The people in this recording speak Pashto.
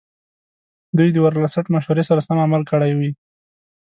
دوی د ورلسټ مشورې سره سم عمل کړی وي.